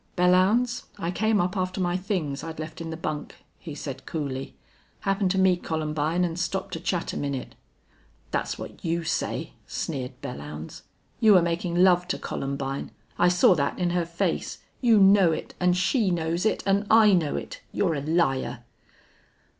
"Belllounds, I came up after my things I'd left in the bunk," he said, coolly. "Happened to meet Columbine and stopped to chat a minute." "That's what you say," sneered Belllounds. "You were making love to Columbine. I saw that in her face. You know it and she knows it and I know it.... You're a liar!"